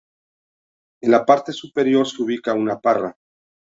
En la parte superior se ubica una parra.